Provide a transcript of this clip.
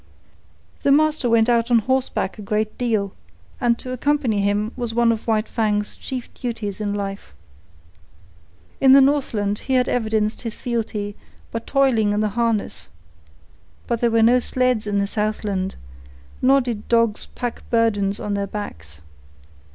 The master went out on horseback a great deal, and to accompany him was one of White Fang's chief duties in life. In the Northland he had evidenced his fealty by toiling in the harness; but there were no sleds in the Southland, nor did dogs pack burdens on their backs.